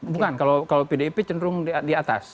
bukan kalau pdip cenderung di atas